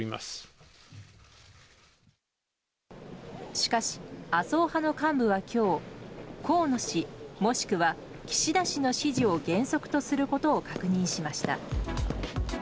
しかし、麻生派の幹部は今日河野氏もしくは岸田氏の支持を原則とすることを確認しました。